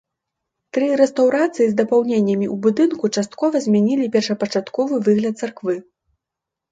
Тры рэстаўрацыі з дапаўненнямі ў будынку часткова змянілі першапачатковы выгляд царквы.